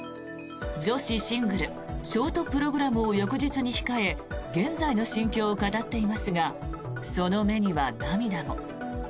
女子シングルショートプログラムを翌日に控え現在の心境を語っていますがその目には涙も。